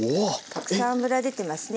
たくさん脂出てますね。